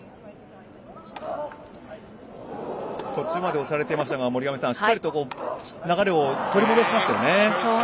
途中まで押されていましたがしっかりと流れを取り戻しましたよね。